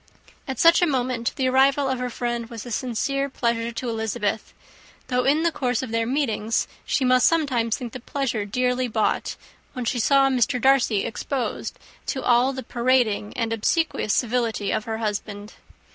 At such a moment, the arrival of her friend was a sincere pleasure to Elizabeth, though in the course of their meetings she must sometimes think the pleasure dearly bought, when she saw Mr. Darcy exposed to all the parading and obsequious civility of her husband.